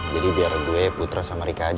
jadi biar gue putra sama rika aja